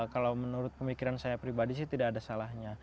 kalau menurut pemikiran saya pribadi sih tidak ada salahnya